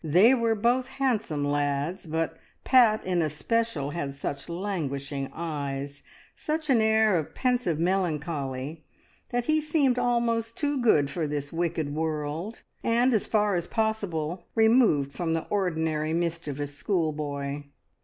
They were both handsome lads, but Pat in especial had such languishing eyes, such an air of pensive melancholy, that he seemed almost too good for this wicked world, and as far as possible removed from the ordinary mischievous schoolboy.